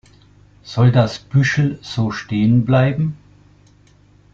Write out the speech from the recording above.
Soll das Büschel so stehen bleiben?